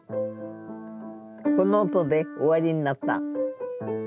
この音で終わりになった。